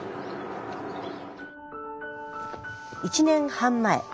１年半前